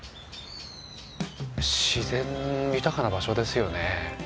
自然豊かな場所ですよね。